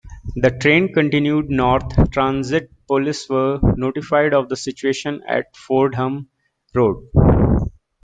The train continued north; transit police were notified of the situation at Fordham Road.